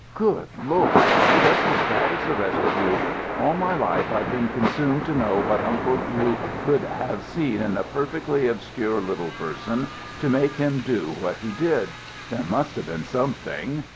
Good Lord! I'm just as bad as the rest of you. All my life I've been consumed to know what Uncle Hugh could have seen in a perfectly obscure little person to make him do what he did. There must have been something."